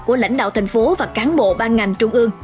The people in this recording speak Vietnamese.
của lãnh đạo thành phố và cán bộ ban ngành trung ương